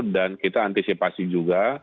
dan kita antisipasi juga